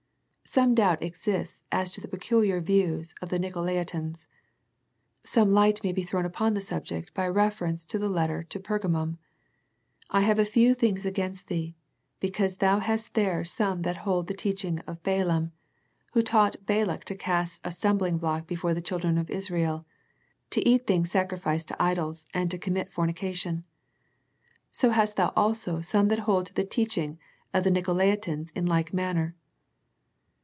Some doubt exists as to the peculiar views of the Nicolaitans. Some light may be thrown upon the subject by reference to the letter to Pergamum. " I have a few things against thee, because thou hast there some that hold the teaching of Balaam, who taught Balak to cast a stumbHngblock before the children of Israel, to eat things sacrificed to idols, and to commit fornication. So hast thou also some that hold the teaching of the Nicolaitans in like manner."